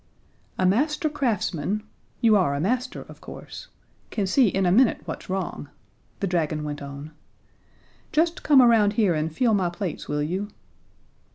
"A master craftsman you are a master, of course? can see in a minute what's wrong," the dragon went on. "Just come around here and feel my plates, will you?"